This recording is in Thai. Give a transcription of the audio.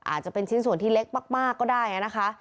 อาจจะเป็นชิ้นส่วนที่เล็กมากก็ได้นะคะ